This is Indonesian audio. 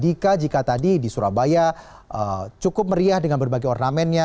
dika jika tadi di surabaya cukup meriah dengan berbagai ornamennya